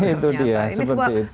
itu dia seperti itu